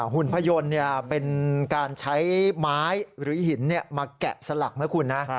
หุ่นพยนตร์เป็นการใช้ไม้หรือหินมาแกะสลักนะคุณนะ